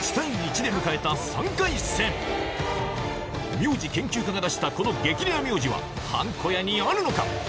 名字研究家が出したこの激レア名字ははんこ屋にあるのか？